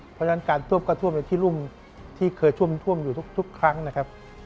เพราะฉะนั้นการท่วมในที่รุ่มที่เคยท่วมอยู่ทุกครั้งนะครับ